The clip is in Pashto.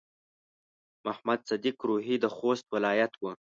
محمد صديق روهي د خوست ولايت و.